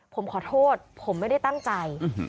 ผมขอโทษผมไม่ได้ตั้งใจ